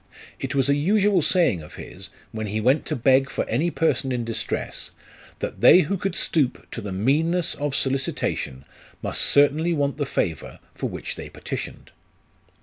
It was a usual saying of his, when he went to beg for any person in distress, that they who could stoop to the meanness of solicitation must certainly want the favour for which they petitioned.